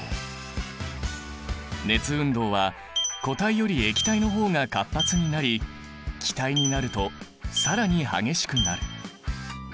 熱運動は固体より液体の方が活発になり気体になると更に激しくなる。